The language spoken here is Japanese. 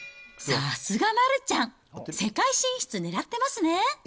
さすが丸ちゃん、世界進出、狙ってますね？